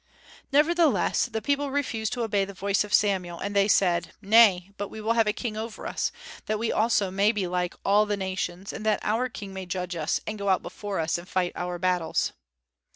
Nevertheless the people refused to obey the voice of Samuel; and they said, "Nay, but we will have a king over us, that we also may be like all the nations; and that our king may judge us, and go out before us, and fight our battles."